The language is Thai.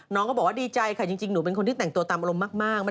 น้องก็บอกว่าดีใจค่ะจริงหนูเป็นคนที่แต่งตัวตามอารมณ์มาก